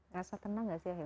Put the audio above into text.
rasa tenang gak sih